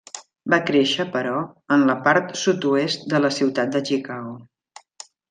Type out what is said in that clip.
Va créixer, però, en la part sud-oest de la ciutat de Chicago.